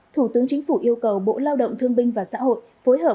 thủ tướng chính phủ yêu cầu bộ lao động thương binh và xã hội phối hợp